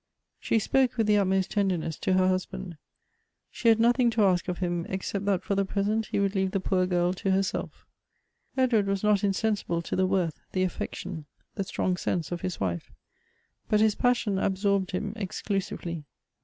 She spoke with the utmost tenderness to her hus band. She had nothing to ask of him, except that for the present he would leave the poor girl to herself Ed ward was not insensible to the worth, the aifection, the strong sense of his wife ; but his passion absorbed him exclusively.